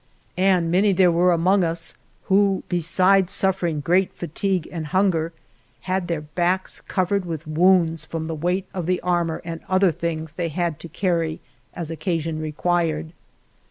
And many there were among us who besides suffering great fatigue and hunger, had their backs covered with wounds from the weight of the armor and other things they had to carry as occasion required.